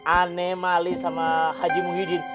aneh malih sama haji muhidin